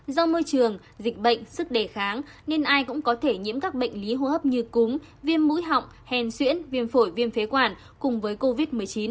do môi trường dịch bệnh sức đề kháng nên ai cũng có thể nhiễm các bệnh lý hô hấp như cúm viêm mũi họng hèn xuyễn viêm phổi viêm phế quản cùng với covid một mươi chín